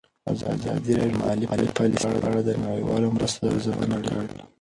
ازادي راډیو د مالي پالیسي په اړه د نړیوالو مرستو ارزونه کړې.